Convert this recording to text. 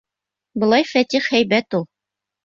Былай Фәтих һәйбәт ул.